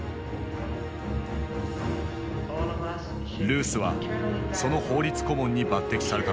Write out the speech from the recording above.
ルースはその法律顧問に抜てきされたのだ。